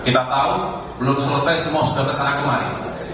kita tahu belum selesai semua sudah kesana kemari